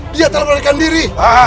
dia tak bisa sakiti